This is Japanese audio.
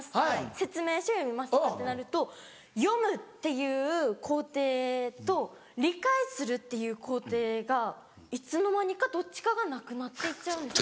説明書読みますとかってなると読むっていう工程と理解するっていう工程がいつの間にかどっちかがなくなって行っちゃうんです。